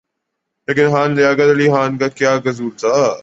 لیکن خان لیاقت علی خان کا کیا قصور تھا؟